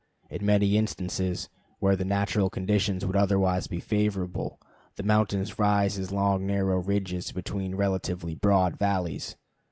In many instances where the natural conditions would otherwise be favorable, the mountains rise as long narrow ridges between relatively broad valleys.